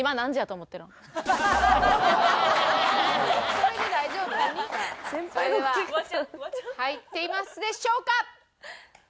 それでは入っていますでしょうか？